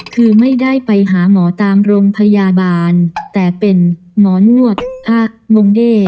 คือไม่ได้ไปหาหมอตามโรงพยาบาลแต่เป็นหมอนวดพระงเด้